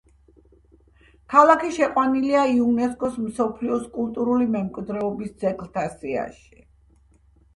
ქალაქი შეყვანილია იუნესკოს მსოფლიოს კულტურული მემკვიდრეობის ძეგლთა სიაში.